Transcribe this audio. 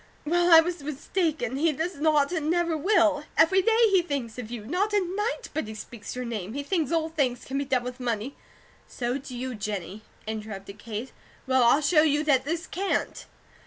Well, I was mistaken. He does not, and never will. Every day he thinks of you; not a night but he speaks your name. He thinks all things can be done with money " "So do you, Jennie," interrupted Kate. "Well, I'll show you that this CAN'T!"